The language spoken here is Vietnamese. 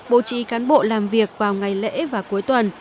bố trí cán bộ làm việc vào ngày lễ và cuối tuần